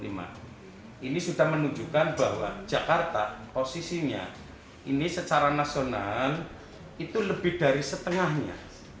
ini sudah menunjukkan bahwa jakarta posisinya ini secara nasional itu lebih dari setengahnya